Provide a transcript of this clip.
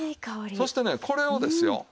そしてねこれをですよ